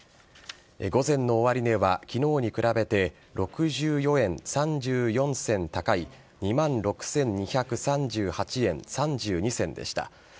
午前の終値は昨日に比べて６４円３４銭高い２万６２３８円３２銭でした。